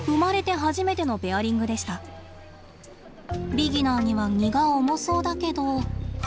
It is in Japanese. ビギナーには荷が重そうだけど。